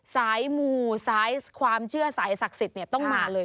สายหมู่สายความเชื่อสายศักดิ์สิทธิ์ต้องมาเลย